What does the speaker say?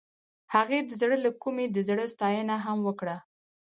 هغې د زړه له کومې د زړه ستاینه هم وکړه.